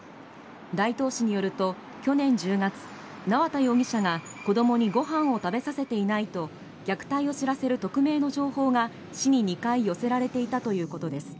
大東市によると、去年１０月縄田容疑者が子供にご飯を食べさせていないと虐待を知らせる匿名の情報が、市に２回寄せられていたということです。